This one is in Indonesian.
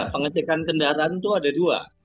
pengecekan kendaraan itu ada dua